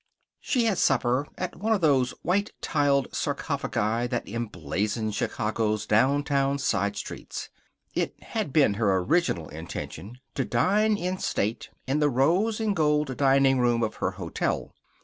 She had supper at one of those white tiled sarcophagi that emblazon Chicago's downtown side streets. It had been her original intention to dine in state in the rose and gold dining room of her hotel.